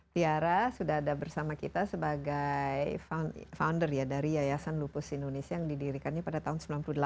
tiara sudah ada bersama kita sebagai founder ya dari yayasan lupus indonesia yang didirikannya pada tahun seribu sembilan ratus delapan puluh delapan